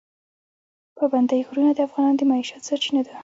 پابندی غرونه د افغانانو د معیشت سرچینه ده.